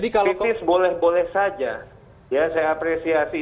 ketik boleh boleh saja saya apresiasi